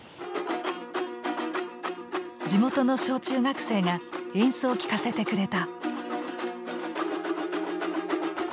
地元の小・中学生が演奏を聴かせてくれた。